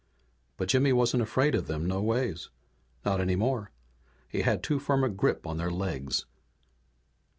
But Jimmy wasn't afraid of them no ways. Not any more. He had too firm a grip on their legs.